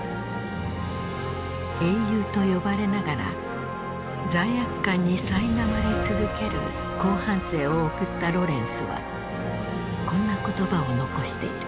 英雄と呼ばれながら罪悪感にさいなまれ続ける後半生を送ったロレンスはこんな言葉を残している。